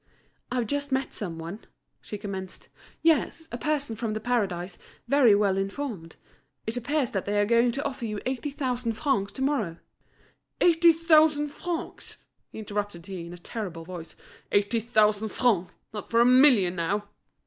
"I've just met some one," she commenced. "Yes, a person from The Paradise, very well informed. It appears that they are going to offer you eighty thousand francs to morrow." "Eighty thousand francs!" interrupted he, in a terrible voice; "eighty thousand francs! Not for a million now!"